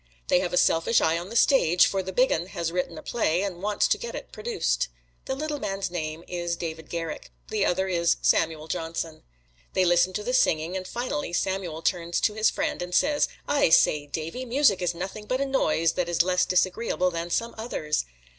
They have a selfish eye on the stage, for the big 'un has written a play and wants to get it produced. The little man's name is David Garrick; the other is Samuel Johnson. They listen to the singing, and finally Samuel turns to his friend and says, "I say, Davy, music is nothing but a noise that is less disagreeable than some others."